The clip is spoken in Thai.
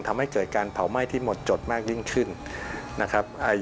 ทำให้เกิดการเผาไหม้ที่หมดจดมากยิ่งขึ้นนะครับ